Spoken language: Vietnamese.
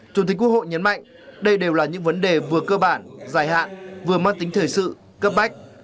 chủ tịch quốc hội nhấn mạnh đây đều là những vấn đề vừa cơ bản dài hạn vừa mang tính thời sự cấp bách